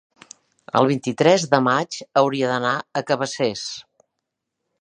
el vint-i-tres de maig hauria d'anar a Cabacés.